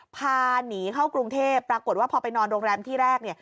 พาหนีเข้ากรุงเทพปรากฏว่าพอไปนอนโรงแรมที่แรกเนี่ย